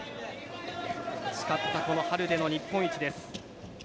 誓ったこの春での日本一です。